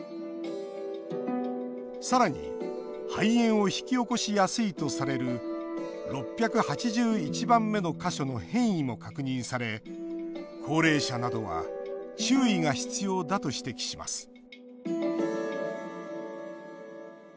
さらに肺炎を引き起こしやすいとされる６８１番目の箇所の変異も確認され高齢者などは注意が必要だと指摘します